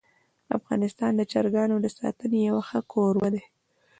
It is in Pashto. افغانستان د چرګانو د ساتنې یو ښه کوربه دی.